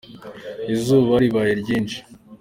Izuba ribaye ryinshi.